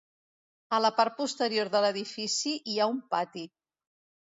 A la part posterior de l'edifici hi ha un pati.